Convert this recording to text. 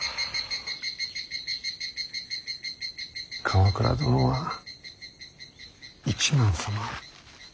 鎌倉殿は一幡様